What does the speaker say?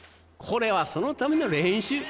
これはそのための練習。